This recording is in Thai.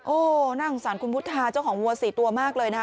โอ้โหน่าสงสารคุณพุทธาเจ้าของวัว๔ตัวมากเลยนะคะ